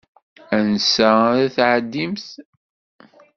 Ansa ara tɛeddimt?